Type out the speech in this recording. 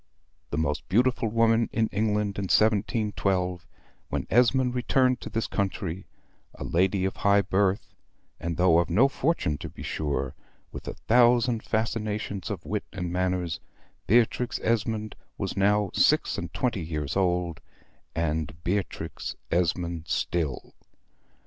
The most beautiful woman in England in 1712, when Esmond returned to this country, a lady of high birth, and though of no fortune to be sure, with a thousand fascinations of wit and manners, Beatrix Esmond was now six and twenty years old, and Beatrix Esmond still.